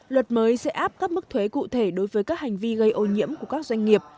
luật mới sẽ áp các mức thuế cụ thể đối với các hành vi gây ô nhiễm của các doanh nghiệp